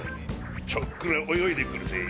ちょっくら泳いでくるぜ。